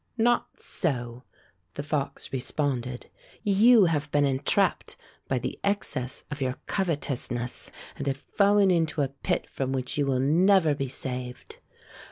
"Not so," the fox responded. "You have been entrapped by the excess of your covet ousness and have fallen into a pit from which you will never be saved."